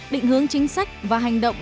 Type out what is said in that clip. định hướng chính sách và hành động